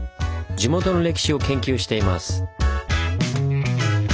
地元の歴史を研究しています。